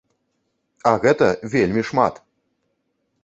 А гэта вельмі шмат!